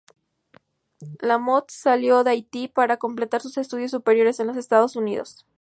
Lamothe salió de Haití para completar sus estudios superiores en los Estados Unidos.